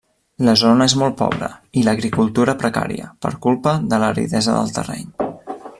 La zona és molt pobre i l'agricultura precària per culpa de l'aridesa del terreny.